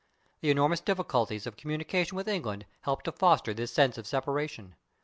The enormous difficulties of communication with England helped to foster this sense of separation.